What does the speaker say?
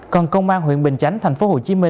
còn công an huyện bình chánh tp hcm